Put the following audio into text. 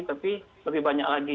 tapi lebih banyak lagi